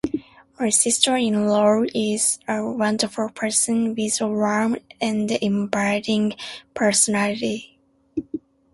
My sister-in-law is a wonderful person with a warm and inviting personality.